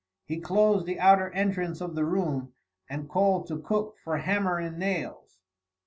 He closed the outer entrance of the room, and called to Cook for hammer and nails.